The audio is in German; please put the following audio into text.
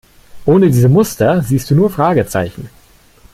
Ohne diese Muster siehst du nur Fragezeichen.